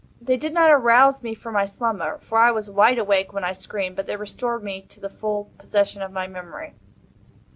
They did not arouse me from my slumber—for I was wide awake when I screamed—but they restored me to the full possession of my memory.